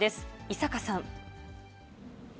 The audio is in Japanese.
井坂さん。